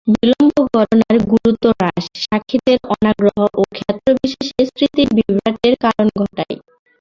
বিলম্ব ঘটনার গুরুত্ব হ্রাস, সাক্ষীদের অনাগ্রহ ও ক্ষেত্রবিশেষে স্মৃতিবিভ্রাটের কারণ ঘটায়।